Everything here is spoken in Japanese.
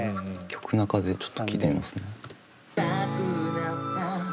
曲中でちょっと聴いてみますね。